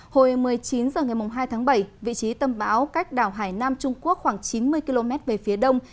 hồi một mươi chín h ngày hai tháng bảy vị trí tâm bão cách đảo hải nam trung quốc khoảng chín mươi km về phía đông